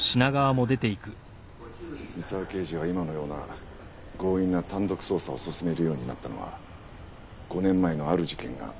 三沢刑事が今のような強引な単独捜査を進めるようになったのは５年前のある事件がきっかけだったようです。